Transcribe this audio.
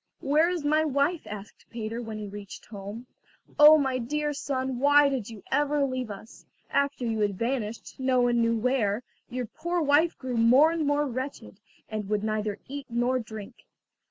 "Where is my wife?" asked Peter, when he reached home. "Oh, my dear son, why did you ever leave us? After you had vanished, no one knew where, your poor wife grew more and more wretched, and would neither eat nor drink.